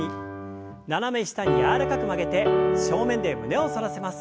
斜め下に柔らかく曲げて正面で胸を反らせます。